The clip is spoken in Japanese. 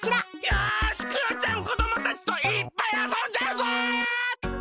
よしクヨちゃんこどもたちといっぱいあそんじゃうぞ！